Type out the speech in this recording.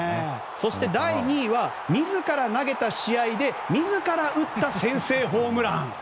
そして第２位は自ら投げた試合で自ら打った先制ホームラン。